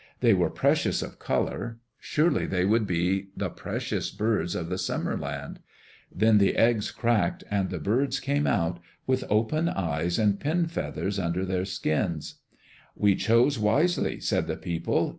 They were precious of color; surely they would be the precious birds of the Summer land. Then the eggs cracked and the birds came out, with open eyes and pin feathers under their skins. "We chose wisely," said the people.